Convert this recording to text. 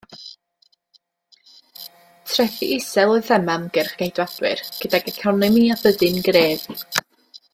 Trethi isel oedd thema ymgyrch y Ceidwadwyr, gydag economi a byddin gref.